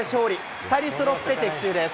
２人そろって的中です。